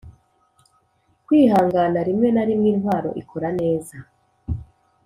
kwihangana rimwe na rimwe intwaro ikora neza.